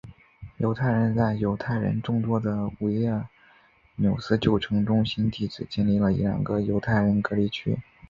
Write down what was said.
德国人在犹太人众多的维尔纽斯旧城中心地区建立了两个犹太人隔离区。